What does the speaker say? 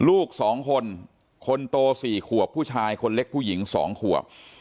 ลูกสองคนคนโตสี่ขวบผู้ชายคนเล็กผู้หญิงสองขวบ